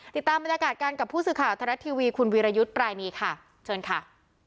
ติดตามบรรยากาศกันกับผู้สื่อข่าวทรัฐทีวีคุณวีรยุทธ์ปรานีค่ะเชิญค่ะ